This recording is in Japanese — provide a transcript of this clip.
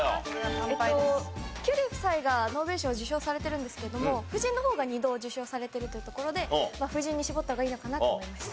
キュリー夫妻がノーベル賞を受賞されてるんですけれども夫人の方が２度受賞されてるというところで夫人に絞った方がいいのかなと思いました。